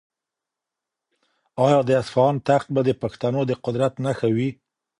آیا د اصفهان تخت به د پښتنو د قدرت نښه وي؟